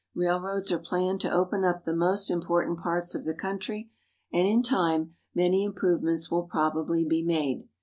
Railroads are planned to open up the most important parts of the country, and in time many improvements will probably be made.